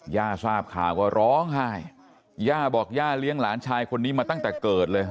ย่าทราบข่าวก็ร้องไห้ย่าบอกย่าเลี้ยงหลานชายคนนี้มาตั้งแต่เกิดเลย